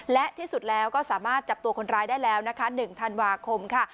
และที่สุดแล้วก็สามารถจับตัวคนร้ายได้แล้วนะคะ๑ธันวาคมค่ะ